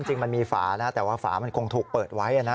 จริงมันมีฝานะแต่ว่าฝามันคงถูกเปิดไว้นะ